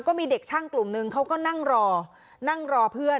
ก็มีเด็กช่างกลุ่มนึงเขาก็นั่งรอนั่งรอเพื่อน